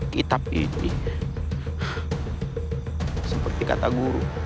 kitab ini seperti kata guru